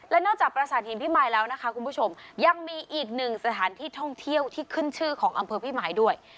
และนอกจากประสานหินพี่มายแล้วนะคะคุณผู้ชมยังมีอีกหนึ่งสถานที่ท่องเที่ยวที่ขึ้นชื่อของอำเภอพี่มายด้วย